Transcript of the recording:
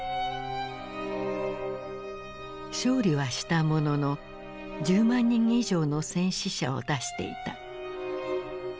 勝利はしたものの１０万人以上の戦死者を出していた。